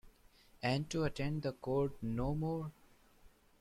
And to attend the court no more?